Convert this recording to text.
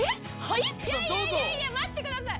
いやいやいや待って下さい。